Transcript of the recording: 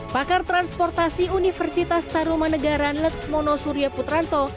pakar transportasi universitas tarumanegaraan lex mono surya putranto